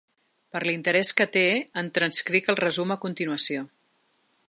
Per l’interès que té, en transcric el resum a continuació.